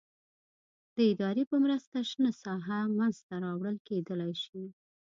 د ادارې په مرسته شنه ساحه منځته راوړل کېدلای شي.